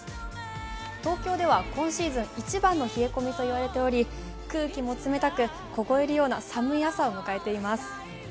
東京では今シーズン一番の冷え込みと言われており空気も冷たく、凍えるような寒い朝を迎えています。